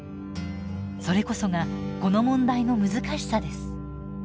それこそがこの問題の難しさです。